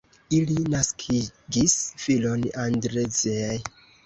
Ili naskigis filon Andrzej.